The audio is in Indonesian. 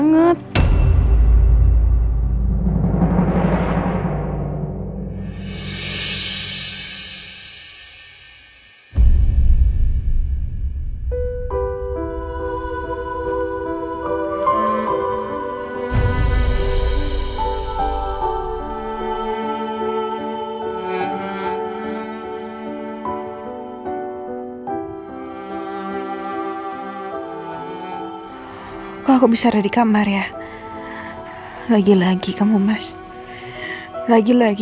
gimana caranya untuk ku lagi mas